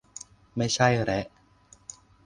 ไม่ใช่แระ